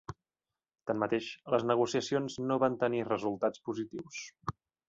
Tanmateix, les negociacions no van tenir resultats positius.